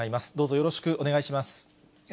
よろしくお願いします。